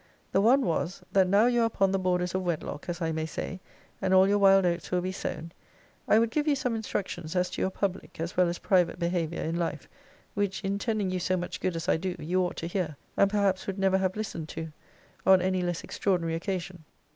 The one was, that now you are upon the borders of wedlock, as I may say, and all your wild oats will be sown, I would give you some instructions as to your public as well as private behaviour in life; which, intending you so much good as I do, you ought to hear; and perhaps would never have listened to, on any less extraordinary occasion.